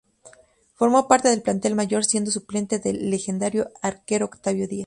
Formó parte del plantel mayor siendo suplente del legendario arquero Octavio Díaz.